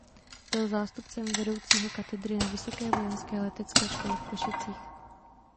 Byl zástupcem vedoucího katedry na Vysoké vojenské letecké škole v Košicích.